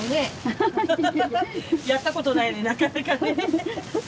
やったことないのになかなかね。